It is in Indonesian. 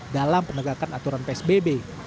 dalam penegakan aturan psbb